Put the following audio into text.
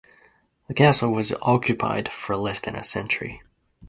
The castle was occupied for less than a century.